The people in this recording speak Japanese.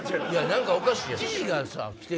何かおかしいよ。